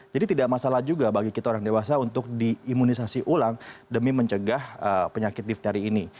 jadi tidak masalah juga bagi kita orang dewasa untuk diimunisasi ulang demi mencegah penyakit difteri ini